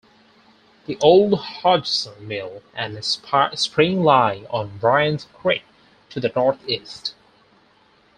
The old Hodgson Mill and spring lie on Bryant Creek to the northeast.